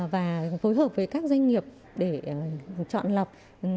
và phối hợp với các doanh nghiệp để chọn lọc